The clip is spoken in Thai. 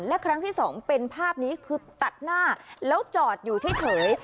และครั้งที่สองเป็นภาพนี้คือตัดหน้าแล้วจอดอยู่เฉย